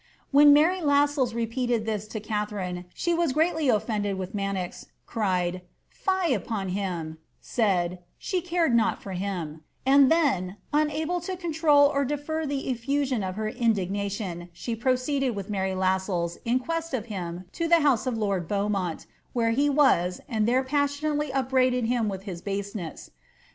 When Mary Lassells repeated this to KathariDe she was greatly ofiended with Manox, cried ^ lie upon him," said "* she cared not for him," and then, unable to control or defer the effusion of her indignation, she proceeded with Mary Lassells in quest of him to the house of lord Beaumont, where he was, and there passionately op braided him with his baseness.